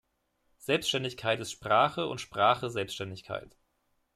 Selbständigkeit ist Sprache und Sprache Selbständigkeit.